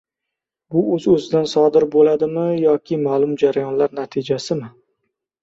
Bu o‘z-o‘zidan sodir bo‘ladimi yoki ma’lum jarayonlar natijasimi?